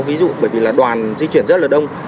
ví dụ bởi vì là đoàn di chuyển rất lớn